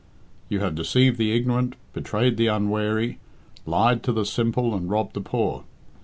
You have deceived the ignorant, betrayed the unwary, lied to the simple, and robbed the poor.